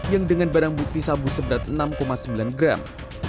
yang dengan barang bukti sabu seberat enam sembilan gram